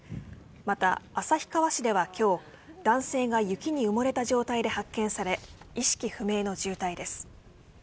また、旭川市では今日男性が雪に埋もれた状態で発見され意識不明の重体です。